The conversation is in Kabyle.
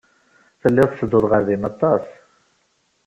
Telliḍ tettedduḍ ɣer din aṭas?